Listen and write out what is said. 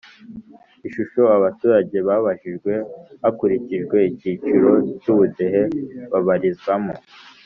Ishusho Abaturage Babajijwe Hakurikijwe Icyiciro Cy Ubudehe Babarizwamo